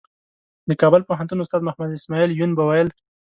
د کابل پوهنتون استاد محمد اسمعیل یون به ویل.